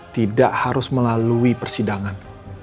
tidak harus melalui persidangan